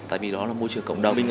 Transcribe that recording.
tại vì đó là môi trường cộng đồng